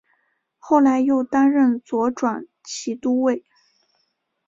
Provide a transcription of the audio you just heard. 后来又担任左转骑都尉。